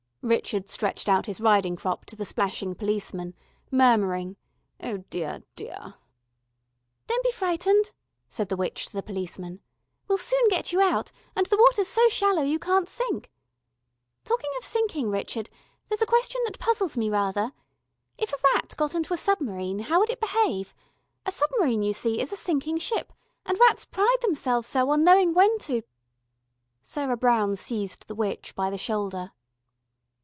Richard stretched out his riding crop to the splashing policeman, murmuring: "Oh deah, deah...." "Don't be frightened," said the witch to the policeman. "We'll soon get you out, and the water's so shallow you can't sink. Talking of sinking, Richard, there's a question that puzzles me rather. If a rat got on to a submarine, how would it behave? A submarine, you see, is a sinking ship, and rats pride themselves so on knowing when to " Sarah Brown seized the witch by the shoulder.